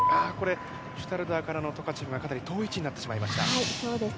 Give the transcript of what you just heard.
シュタルダーからのトカチェフがかなり遠い位置になってしまいました。